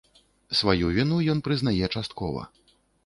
Сваю віну ён прызнае часткова.